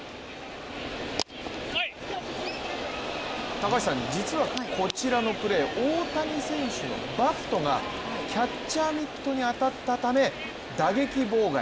高橋さん、実はこちらのプレー、大谷選手のバットがキャッチャーミットに当たったため打撃妨害。